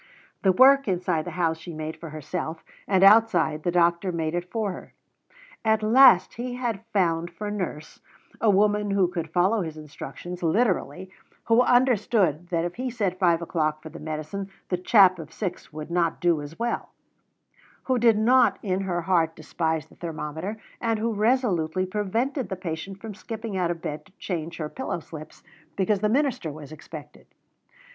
The work inside the house she made for herself, and outside the doctor made it for her. At last he had found for nurse a woman who could follow his instructions literally, who understood that if he said five o'clock for the medicine the chap of six would not do as well, who did not in her heart despise the thermometer, and who resolutely prevented the patient from skipping out of bed to change her pillow slips because the minister was expected.